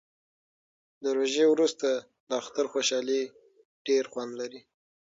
د روژې وروسته د اختر خوشحالي ډیر خوند لري